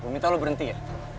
minta lo berhenti ya